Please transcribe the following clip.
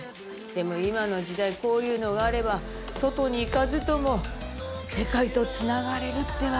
でも今の時代こういうのがあれば外に行かずとも世界と繋がれるってわけね。